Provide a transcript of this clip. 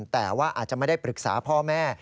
แต่ว่าอาจจะไม่ได้ปรึกษาพ่อแม่